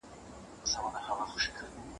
ستونزو کمول د ماشومانو د پلار یوه دنده ده.